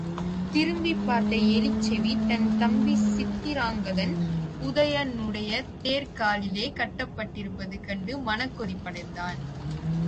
திரும்பிப் பார்த்த எலிச்செவி, தன் தம்பி சித்திராங்கதன், உதயணனுடைய தேர்க் காலிலே கட்டப்பட்டிருப்பது கண்டு மனக் கொதிப்படைந் தான்.